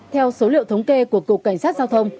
theo số liệu thống kê của cục cảnh sát giao thông